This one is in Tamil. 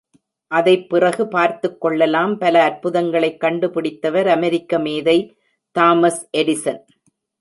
அதைப்பிறகு பார்த்துக்கொள்ளலாம் பல அற்புதங்களைக் கண்டுபிடித்தவர் அமெரிக்க மேதை தாமஸ் எடிசன்.